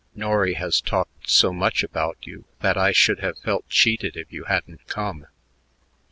Norry has talked so much about you that I should have felt cheated if you hadn't come."